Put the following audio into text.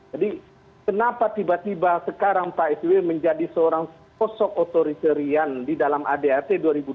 jadi kenapa tiba tiba sekarang pak sby menjadi seorang sosok otoriterian di dalam adat dua ribu dua puluh